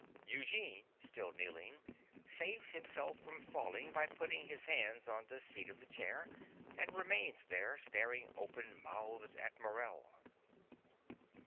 Eugene, still kneeling, saves himself from falling by putting his hands on the seat of the chair, and remains there, staring open mouthed at Morell.)